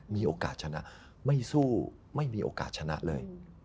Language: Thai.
มีโอกาสชนะไม่สู้ไม่มีโอกาสชนะเลย